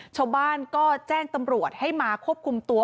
ชาวบ้านก็แจ้งตำรวจให้มาควบคุมตัว